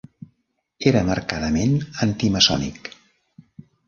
Era marcadament anti-maçònic.